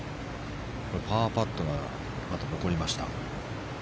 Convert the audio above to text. パーパットが残りました。